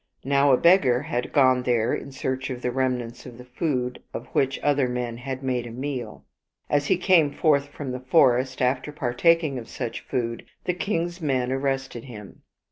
Now a beggar had gone there in search of the remnants of the food of which other men had made a meal. As he came forth from the forest after partaking of such food, the king's men arrested him.